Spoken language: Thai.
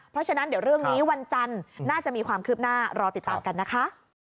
เพราะฉะนั้นเดี๋ยวเรื่องนี้วันจันทร์น่าจะมีความคืบหน้ารอติดตามกันนะคะ